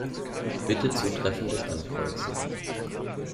Bitte zutreffendes Ankreuzen.